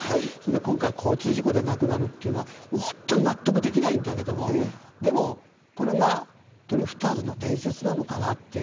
今回、交通事故で亡くなるというのは本当に納得できないんだけどこれがドリフターズの伝説なのかなと。